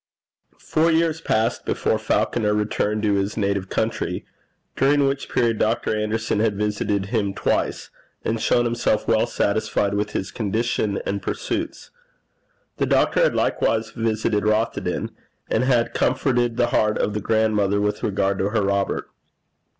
Four years passed before Falconer returned to his native country, during which period Dr. Anderson had visited him twice, and shown himself well satisfied with his condition and pursuits. The doctor had likewise visited Rothieden, and had comforted the heart of the grandmother with regard to her Robert.